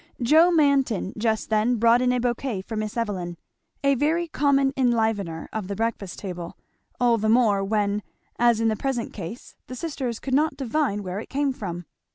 Joe Manton just then brought in a bouquet for Miss Evelyn, a very common enlivener of the breakfast table, all the more when, as in the present case, the sisters could not divine where it came from.